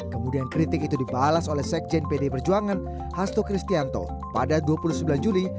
kemudian kritik itu dibalas oleh sekjen pd perjuangan hasto kristianto pada dua puluh sembilan juli